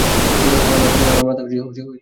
আমার মাথা ঠিকই আছে!